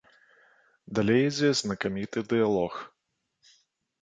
Далей ідзе знакаміты дыялог.